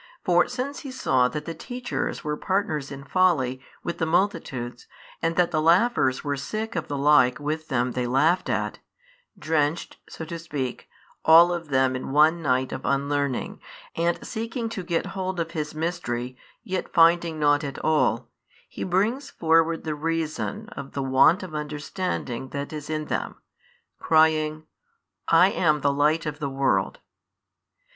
For since He saw that the teachers were partners in folly with the multitudes and that the laughers were sick of the like with them they laughed at, drenched (so to speak) all of them in one night of unlearning and seeking to get hold of His Mystery yet finding nought at all, He brings forward the reason of tho want of understanding that is in them, crying, I am the Light of the world.